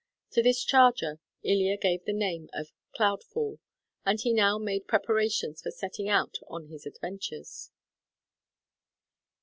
To this charger Ilya gave the name of Cloudfall, and he now made preparations for setting out on his adventures.